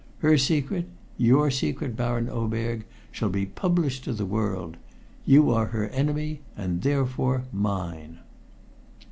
Her secret your secret, Baron Oberg shall be published to the world. You are her enemy and therefore mine!"